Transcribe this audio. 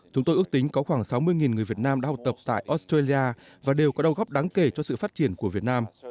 chúng tôi ước tính có khoảng sáu mươi người việt nam đã học tập tại australia và đều có đồng góp đáng kể cho sự phát triển của việt nam